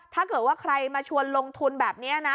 ถ้าเกิดว่าใครมาชวนลงทุนแบบนี้นะ